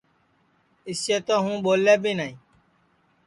اِسے تو ہوں ٻولے بی نائی